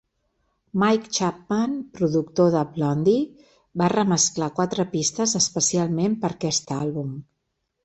Mike Chapman, productor de Blondie, va remesclar quatre pistes especialment per a aquest àlbum.